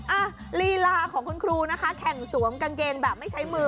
อ่ะลีลาของคุณครูนะคะแข่งสวมกางเกงแบบไม่ใช้มือ